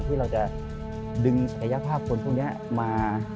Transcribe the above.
ที่เราจะดึงศักยภาพคนพวกนี้มา